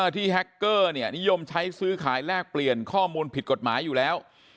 แฮคเกอร์นิยมใช้ซื้อขายแลกเปลี่ยนข้อมูลผิดกฎหมายอยู่แล้ว